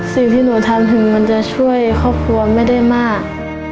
สิ่งที่หนูทำคือมันจะช่วยครอบครัวไม่ได้มาก